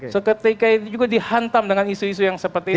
seketika itu juga dihantam dengan isu isu yang seperti ini